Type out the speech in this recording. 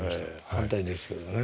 反対ですけどね。